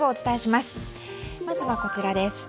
まずは、こちらです。